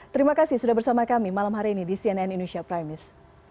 terima kasih sudah bersama kami malam hari ini di cnn indonesia prime news